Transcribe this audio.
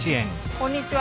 こんにちは。